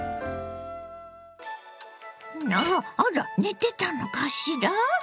あら寝てたのかしら？